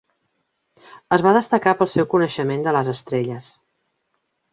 Es va destacar pel seu coneixement de les estrelles.